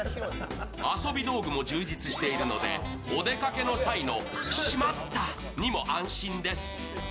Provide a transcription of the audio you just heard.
遊び道具も充実しているのでお出かけの際の、しまった！にも安心です。